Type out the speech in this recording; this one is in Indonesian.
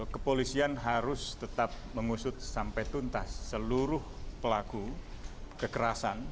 kepolisian harus tetap mengusut sampai tuntas seluruh pelaku kekerasan